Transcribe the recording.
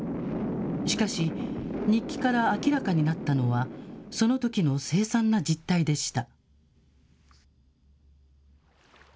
しかし、日記から明らかになったのは、そのときの凄惨な実態でした。